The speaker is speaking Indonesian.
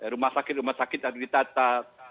rumah sakit rumah sakit harus ditata